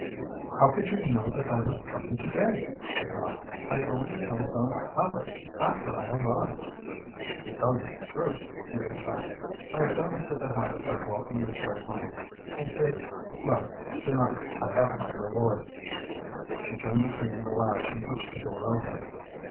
"How could you know that I was coming to day?" she asked. "I only telephoned Alice after I arrived." "To tell you the truth," he confessed, "I have got into the habit of walking this way home, in case well, to night I have my reward." She turned the key in the latch and pushed the door open.